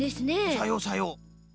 さようさよう。